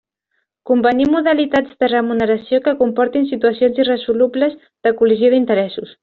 Convenir modalitats de remuneració que comportin situacions irresolubles de col·lisió d'interessos.